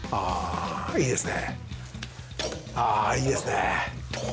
いいですね。